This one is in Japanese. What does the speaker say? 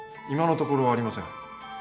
今のところありません。